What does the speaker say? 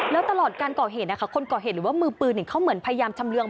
แล้วตลอดการก่อเหตุนะคะคนก่อเหตุหรือว่ามือปืนเขาเหมือนพยายามชำเรือง